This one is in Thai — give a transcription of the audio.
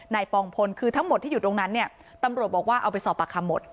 ปองพลคือทั้งหมดที่อยู่ตรงนั้นเนี่ยตำรวจบอกว่าเอาไปสอบปากคำหมด